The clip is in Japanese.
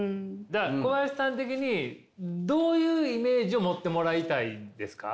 小林さん的にどういうイメージを持ってもらいたいんですか？